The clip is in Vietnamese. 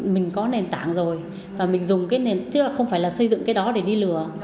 mình có nền tảng rồi và mình dùng cái nền tảng chứ không phải là xây dựng cái đó để đi lừa